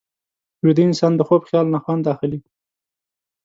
ویده انسان د خوب خیال نه خوند اخلي